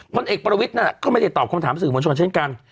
พลเอกประวิทย์ก็ไม่ได้ตอบคำถามสื่อมวลชนเช่นกัน